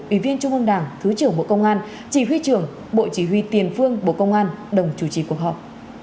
ủy viên trung ương đảng thứ trưởng bộ công an chỉ huy trưởng bộ chỉ huy tiền phương bộ công an đồng chủ trì cuộc họp